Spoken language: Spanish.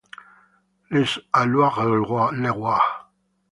Les Alluets-le-Roi